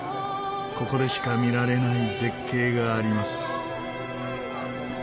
ここでしか見られない絶景があります。